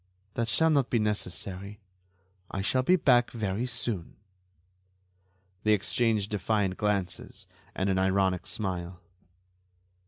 "That shall not be necessary. I shall be back very soon." They exchanged defiant glances and an ironic smile.